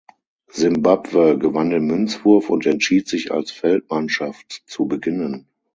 Simbabwe gewann den Münzwurf und entschied sich als Feldmannschaft zu beginnen.